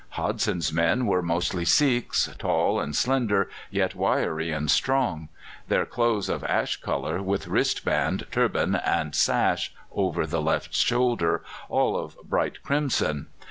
Hodson's men were mostly Sikhs, tall and slender, yet wiry and strong; their clothes of ash colour, with wrist band, turban, and sash over the left shoulder, all of bright crimson.